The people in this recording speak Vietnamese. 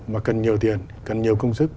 mà cần nhiều tiền cần nhiều công sức